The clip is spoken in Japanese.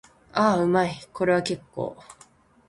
ああ、うまい。これは結構。